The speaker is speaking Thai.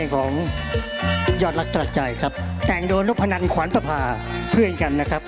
ขอบคุณครับขอบคุณครับ